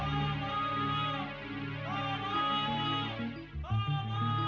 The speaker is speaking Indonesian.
oh itu orangnya